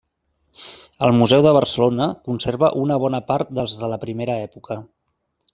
El museu de Barcelona conserva una bona part dels de la primera època.